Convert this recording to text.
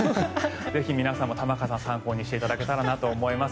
ぜひ皆さんも玉川さんを参考にしていただければと思います。